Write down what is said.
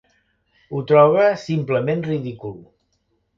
Ho troba simplement ridícul.